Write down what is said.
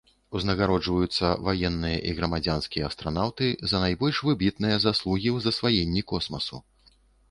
Узнагароджваюцца ваенныя і грамадзянскія астранаўты за найбольш выбітныя заслугі ў засваенні космасу.